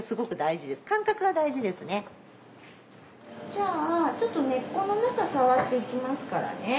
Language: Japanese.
じゃあちょっと根っこの中触っていきますからね。